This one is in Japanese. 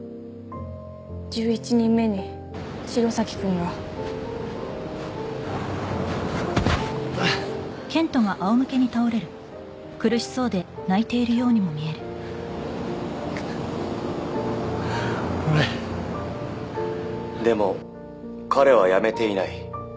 １１人目に城崎君があっ俺「でも彼は辞めていない」